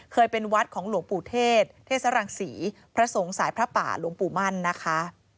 เป็นวัดของหลวงปู่เทศเทศรังศรีพระสงฆ์สายพระป่าหลวงปู่มั่นนะคะ